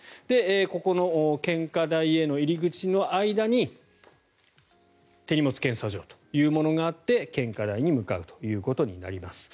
ここの献花台への入り口の間に手荷物検査場というものがあって献花台に向かうということになります。